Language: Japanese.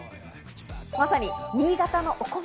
まさに新潟のお米。